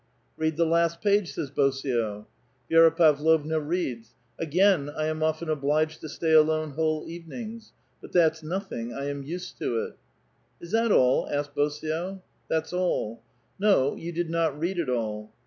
'' Head the last page," says Bosio. Vi^ra Pavlovna reads: "Again I am often obliged to sta ^r alone whole evenings. But that's nothing ; I am used to it »'*" Is that all ?" asks Bosio. ^* That's all." No ; vou did not read it all."